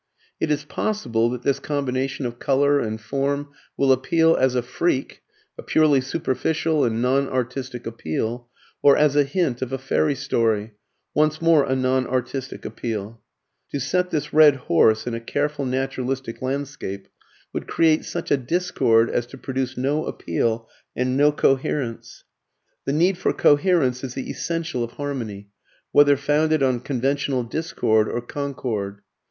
It is possible that this combination of colour and form will appeal as a freak a purely superficial and non artistic appeal or as a hint of a fairy story [Footnote: An incomplete fairy story works on the mind as does a cinematograph film.] once more a non artistic appeal. To set this red horse in a careful naturalistic landscape would create such a discord as to produce no appeal and no coherence. The need for coherence is the essential of harmony whether founded on conventional discord or concord.